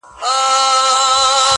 د مستو پېغلو د پاولیو وطن٫